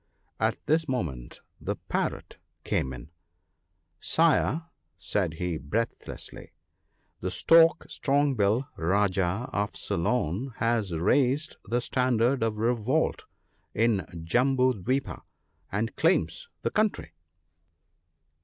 " At this moment the Parrot came in. * Sire !' said he, breathlessly, * the Stork Strong bill, Rajah of Ceylon, has raised the standard of revolt in Jambu dwipa, and claims the country.'